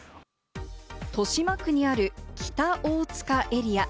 豊島区にある北大塚エリア。